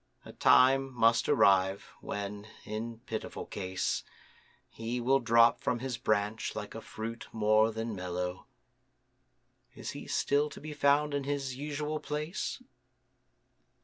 A time must arrive when, in pitiful case, He will drop from his Branch like a fruit more than mellow: Is he still to be found in his usual place?